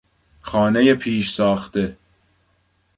خانهی پیشساخته